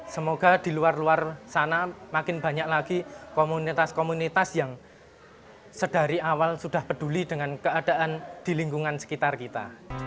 semoga di luar luar sana makin banyak lagi komunitas komunitas yang sedari awal sudah peduli dengan keadaan di lingkungan sekitar kita